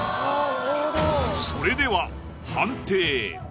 それでは判定！